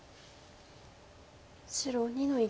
白２の一。